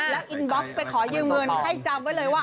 แล้วอินบ็อกซ์ไปขอยืมเงินให้จำไว้เลยว่า